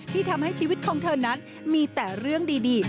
ที่ทำให้ชีวิตของเธอนั้นมีแต่เรื่องดี